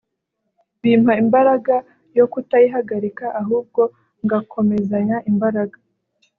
bimpa imbaraga yo kutayihagarika ahubwo ngakomezanya imbaraga